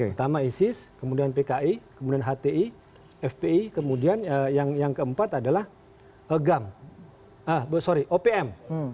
pertama isis kemudian pki kemudian hti fpi kemudian yang keempat adalah opm